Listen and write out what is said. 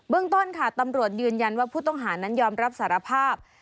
ต้นค่ะตำรวจยืนยันว่าผู้ต้องหานั้นยอมรับสารภาพ